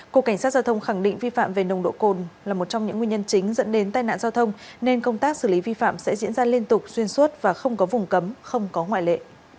cục cảnh sát giao thông khẳng định vi phạm về nồng độ cồn là một trong những nguyên nhân chính dẫn đến tai nạn giao thông nên công tác xử lý vi phạm sẽ diễn ra liên tục xuyên suốt và không có vùng cấm không có ngoại lệ